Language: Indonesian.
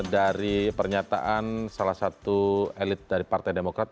dari pernyataan salah satu elit dari partai demokrat